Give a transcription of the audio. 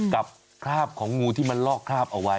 กับภาพของงูที่มันลอกภาพเอาไว้